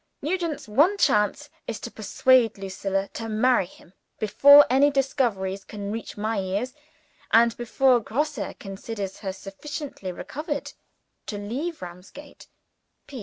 Nugent's one chance is to persuade Lucilla to marry him before any discoveries can reach my ears, and before Grosse considers her sufficiently recovered to leave Ramsgate.